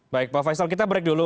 baik pak faisal kita break dulu